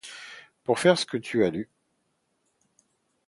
Pour faire ce que tu as lu.